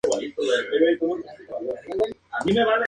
W Hotels es una marca de hoteles modernos y funcionales.